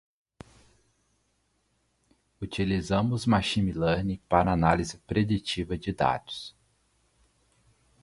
Utilizamos Machine Learning para análise preditiva de dados.